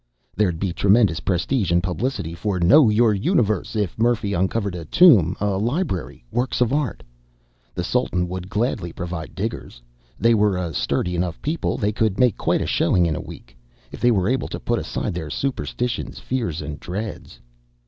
There'd be tremendous prestige and publicity for Know Your Universe! if Murphy uncovered a tomb, a library, works of art. The Sultan would gladly provide diggers. They were a sturdy enough people; they could make quite a showing in a week, if they were able to put aside their superstitions, fears and dreads.